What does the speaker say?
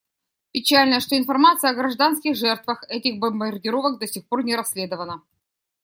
Печально, что информация о гражданских жертвах этих бомбардировок до сих пор не расследована.